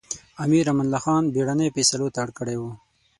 امیر امان الله خان بېړنۍ فېصلو ته اړ کړی و.